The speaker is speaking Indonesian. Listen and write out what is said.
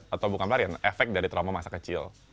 atau bukan larian efek dari trauma masa kecil